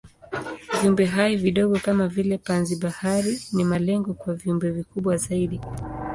Viumbehai vidogo kama vile panzi-bahari ni malengo kwa viumbe vikubwa zaidi.